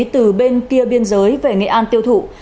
từ bên kia biên giới về nghệ an tiêu thụ